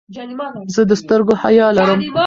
زه د سترګو حیا لرم.